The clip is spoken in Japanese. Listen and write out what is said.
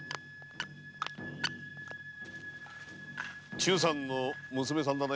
忠さんの娘さんだね？